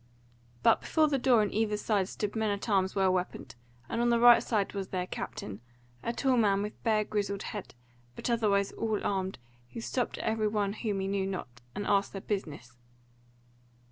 But before the door on either side stood men at arms well weaponed, and on the right side was their captain, a tall man with bare grizzled head, but otherwise all armed, who stopped every one whom he knew not, and asked their business.